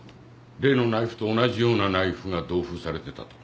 例のナイフと同じようなナイフが同封されてたと。